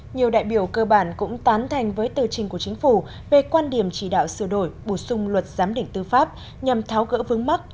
nhiều đại biểu cơ bản cũng tán thành với tư trình của chính phủ về quan điểm chỉ đạo sửa đổi bổ sung luật giám định tư pháp nhằm tháo gỡ vướng mắt